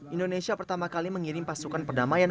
indonesia pertama kali mengirim pasukan perdamaian